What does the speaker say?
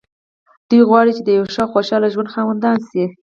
دوی غواړي چې د يوه ښه او خوشحاله ژوند خاوندان شي.